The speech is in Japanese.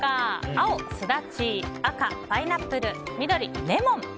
青、スダチ赤、パイナップル緑、レモン。